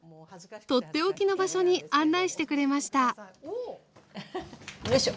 取って置きの場所に案内してくれましたよいしょ！